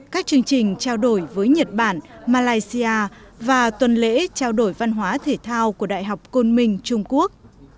các chương trình trao đổi với nhật bản malaysia và tuần lễ trao đổi văn hóa thể thao của đại học côn minh trung quốc